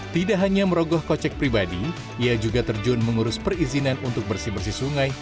tidak hanya merogoh kocek pribadi ia juga terjun mengurus perizinan untuk bersih bersih sungai